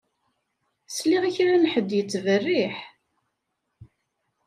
Sliɣ i kra n ḥedd yettberriḥ.